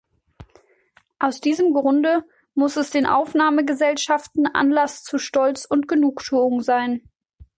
Aus diesem Grunde muss es den Aufnahmegesellschaften Anlass zu Stolz und Genugtuung sein.